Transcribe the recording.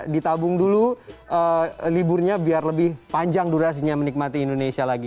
ditabung dulu liburnya biar lebih panjang durasinya menikmati indonesia lagi